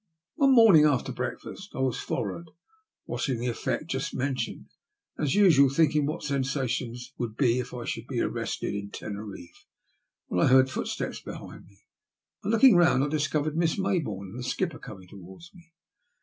One morning, after breakfast, I was f orrard watching the effect just mentioned, and, as usual, thinking what my sensations would be if I should be arrested at Teneriffe, when I heard footsteps behind me. On looking round I discovered Miss Mayboume and the skipper coming towards me.